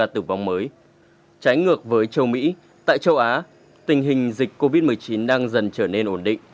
trái ngược với châu mỹ tại châu á tình hình dịch covid một mươi chín đang dần trở nên ổn định